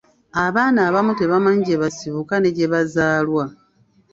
Abaana abamu tebamanyi gye basibuka ne gye bazaalwa.